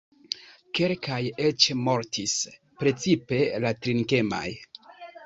Kelkaj eĉ mortis, precipe la drinkemaj.